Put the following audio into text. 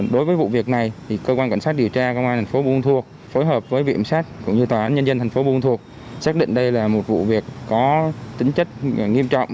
đối với vụ việc này thì cơ quan cảnh sát điều tra công an thành phố buôn ma thuột phối hợp với vị ẩm sát cũng như tòa án nhân dân thành phố buôn ma thuột xác định đây là một vụ việc có tính chất nghiêm trọng